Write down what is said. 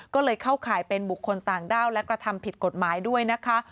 ก็เลยเข้าข่ายเป็นบุคคลต่างด้าวและกระทำผิดกฎหมายด้วยนะคะ